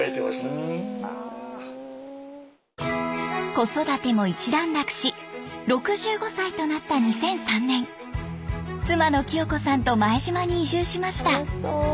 子育ても一段落し６５歳となった２００３年妻の清子さんと前島に移住しました。